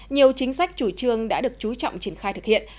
nhiều chính sách chủ trương đã được chú trọng triển khai thực hiện